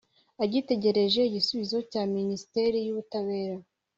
agitegereje igisubizo cya minisiteri y ubutabera